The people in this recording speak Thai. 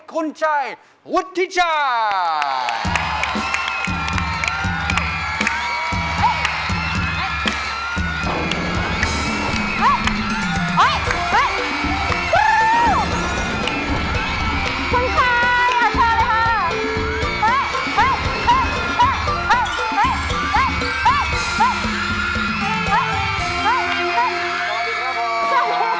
คุณชัยวุฒิชา